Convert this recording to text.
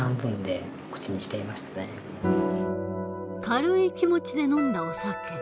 軽い気持ちで飲んだお酒。